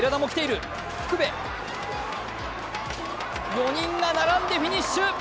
４人が並んでフィニッシュ！